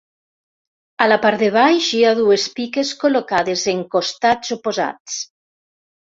A la part de baix hi ha dues piques col·locades en costats oposats.